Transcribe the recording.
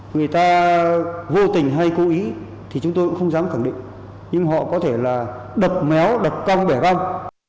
người ta vô tình hay cố ý thì chúng tôi cũng không dám khẳng định nhưng họ có thể là đập méo đập cong đẻ vong